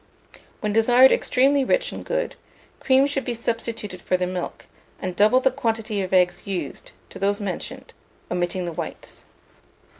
When desired extremely rich and good, cream should be substituted for the milk, and double the quantity of eggs used, to those mentioned, omitting the whites.